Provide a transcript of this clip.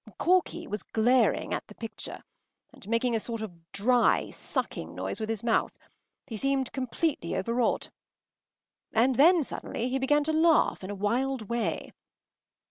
” Corky was glaring at the picture, and making a sort of dry, sucking noise with his mouth. He seemed completely overwrought. And then suddenly he began to laugh in a wild way.